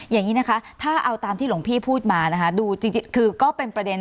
อย่างนี้นะคะถ้าเอาตามที่หลวงพี่พูดมานะคะดูจริงคือก็เป็นประเด็น